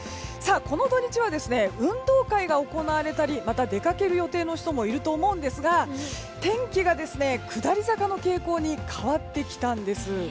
この土日は運動会が行われたりまた出かける予定の人もいると思うんですが天気が下り坂の傾向に変わってきたんです。